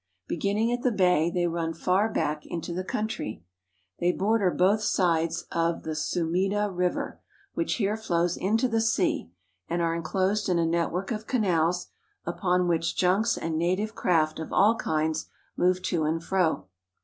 Beginning at the bay, they run far back into the country. They bor der both sides of the Sumida (soo'me da) River, which here flows into the sea, and are inclosed in a network of canals, upon which junks and native craft of all kinds move to and fro.